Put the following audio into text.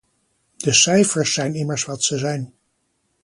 De cijfers zijn immers wat ze zijn.